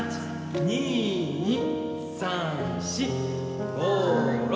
２、２、３、４、５、６。